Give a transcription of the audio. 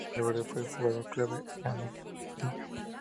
Álvarez fue jugador clave en la liguilla.